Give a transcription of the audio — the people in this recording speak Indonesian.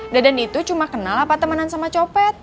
deden itu cuma kenal apa temenan sama copet